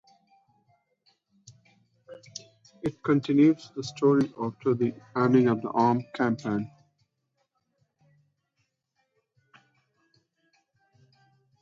It continues the story after the ending of the Arm campaign.